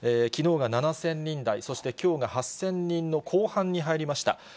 きのうが７０００人台、そしてきょうが８０００人の後半に入りました。